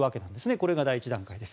これが第１段階です。